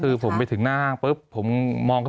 มีความรู้สึกว่ามีความรู้สึกว่า